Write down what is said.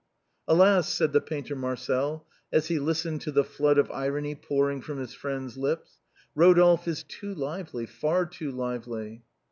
"Alas !" said the painter Marcel, as he listened to the flood of irony pouring from his friend's lips, " Eodolphe is too lively, far too lively."